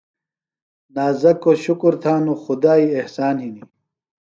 نازکوۡ شُکر تھانوۡ۔ خدائی احسان ہِنیۡ۔